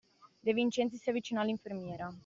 De Vincenzi si avvicinò all'infermiera.